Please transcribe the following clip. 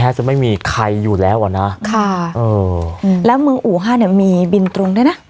จะไม่มีใครอยู่แล้วอ่ะนะค่ะเออแล้วเมืองอู่ห้าเนี่ยมีบินตรงด้วยนะ